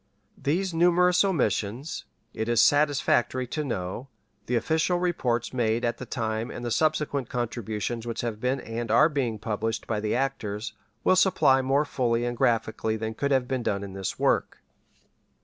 These numerous omissions, it is satisfactory to know, the official reports made at the time and the subsequent contributions which have been and are being published by the actors, will supply more fully and graphically than could have been done in this work.